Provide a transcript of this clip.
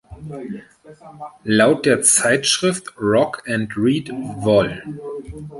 Laut der Zeitschrift „Rock and Read“ Vol.